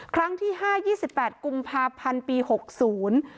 ครั้งที่ห้ายี่สิบแปดกุมภาพันธ์ปีหกศูนย์